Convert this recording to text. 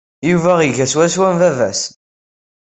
Yuba iga swaswa am baba-s.